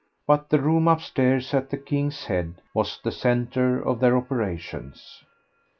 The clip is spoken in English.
But the room upstairs at the "King's Head" was the centre of their operations.